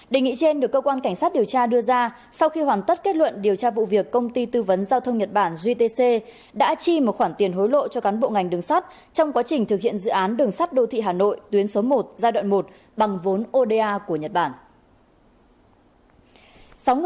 đề nghị trên được cơ quan cảnh sát điều tra đưa ra sau khi hoàn tất kết luận điều tra vụ việc công ty tư vấn giao thông nhật bản gtc đã chi một khoản tiền hối lộ cho cán bộ ngành đường sắt trong quá trình thực hiện dự án đường sắt đô thị hà nội tuyến số một giai đoạn một bằng vốn oda của nhật bản